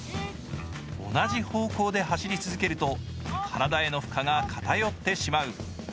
同じ方向で走り続けると体への負荷が偏ってしまう。